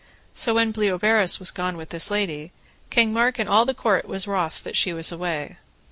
So when Bleoberis was gone with this lady, King Mark and all the court was wroth that she was away.